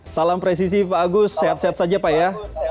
salam presisi pak agus sehat sehat saja pak ya